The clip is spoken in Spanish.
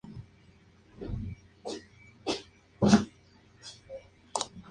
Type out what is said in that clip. Esto genera un suministro pobre de dioxígeno a los tejidos.